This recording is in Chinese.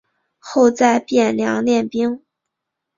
后在汴梁练兵。